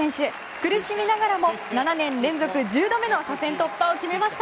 苦しみながらも７年連続１０度目の初戦突破を決めました。